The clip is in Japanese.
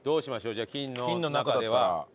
じゃあ金の中では。